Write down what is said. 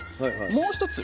もう一つ